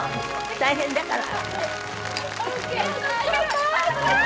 大変だから。